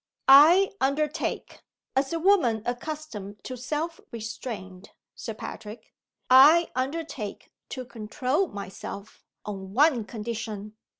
"I undertake as a woman accustomed to self restraint, Sir Patrick I undertake to control myself, on one condition.